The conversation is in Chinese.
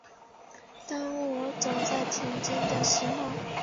当我走在田间的时候